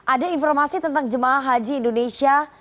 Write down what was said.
ada informasi tentang jemaah haji indonesia